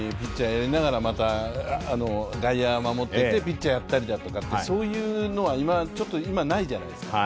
ピッチャーにこだわらず、外野をやりながのピッチャーやったりだとか、そういうのは今ないじゃないですか。